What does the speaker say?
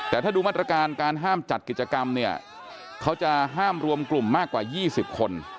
แต่ถ้าดูมาตรการการห้ามจัดกิจกรรมเนี่ยเขาจะห้ามรวมกลุ่มมากกว่า๒๐คน